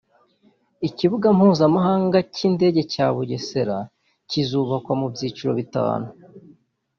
Ikibuga Mpuzamahanga cy’indege cya Bugesera kizubakwa mu byiciro bitanu